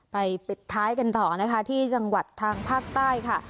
ปิดท้ายกันต่อนะคะที่จังหวัดทางภาคใต้ค่ะ